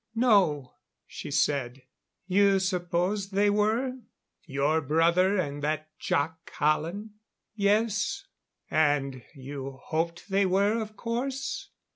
"No," she said. "You supposed they were? Your brother, and that Jac Hallen?" "Yes." "And you hoped they were, of course?"